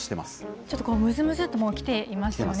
ちょっとむずむずっと、もうきていますよね。